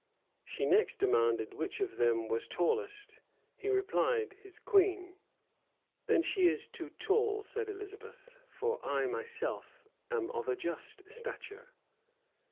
She next demanded which of them was tallest: he replied, his queen. "Then is she too tall," said Elizabeth; "for I myself am of a just stature."